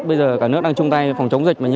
bây giờ cả nước đang chung tay phòng chống dịch